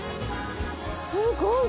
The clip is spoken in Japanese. すごい！